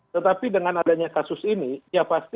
tetapi dengan adanya kasus ini ya pasti